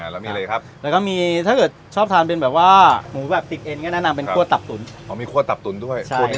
แล้วมีอะไรครับแล้วก็มีถ้าเกิดชอบทานเป็นแบบว่าหมูแบบติกเอ็นก็แนะนำเป็นคั่วตับตุ๋นอ๋อมีคั่วตับตุ๋นด้วย